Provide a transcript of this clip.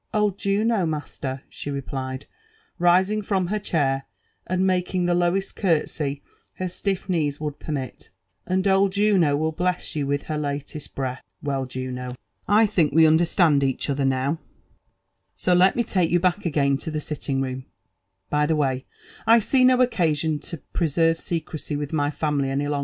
'* Old Jttno> master," she replied, rising from her chair and making the lowest cartsey her stiff kneel would permit ; and old Juno will Meia you with her latest breath." *' Well, JunO) I Ihiok we understand each other now; so let Ine ISf , LIFB AND ADVENTURES OP take you baek dgainto Ihe liitting roam. By the way, I tee nopcea r •ion to preserve secrecy with my family any.